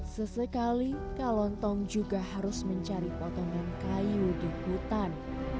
sesekali kalontong juga harus mencari potongan kayu di hutan